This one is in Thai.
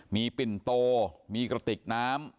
มีปิ่นโตมีกระติกน้ำ